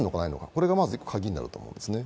これがまず１個、カギになると思いますね。